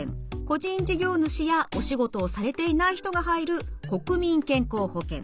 個人事業主やお仕事をされていない人が入る国民健康保険。